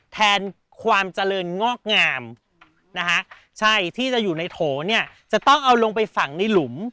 แทนความเจริญงอกงามที่จะอยู่ในโถจะต้องเอาลงไปฝังในหลุม